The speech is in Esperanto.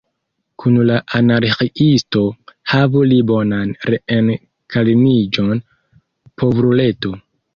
Kun la Anarĥiisto – havu li bonan reenkarniĝon, povruleto!